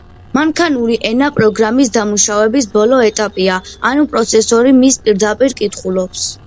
მანქანური ენა პროგრამის დამუშავების ბოლო ეტაპია, ანუ პროცესორი მას პირდაპირ კითხულობს.